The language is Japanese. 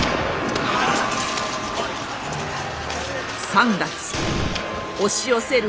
３月押し寄せる